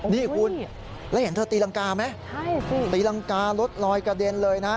นี่คุณแล้วเห็นเธอตีรังกาไหมตีรังการถลอยกระเด็นเลยนะ